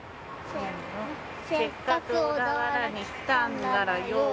「せっかく小田原に来たんならよぉ」